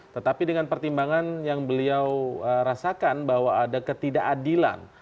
tetapi dengan pertimbangan yang beliau rasakan bahwa ada ketidakadilan